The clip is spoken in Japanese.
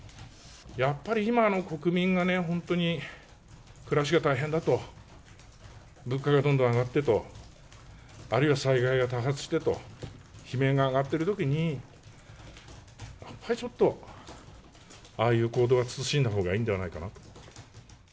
やっぱり、今の国民がね、本当に暮らしが大変だと、物価がどんどん上がってと、あるいは災害が多発してと、悲鳴が上がっているときに、やっぱりちょっと、ああいう行動は慎んだほうがいいんではないかなと。